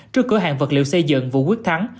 trước cửa hàng vật liệu xây dựng vụ quyết thăng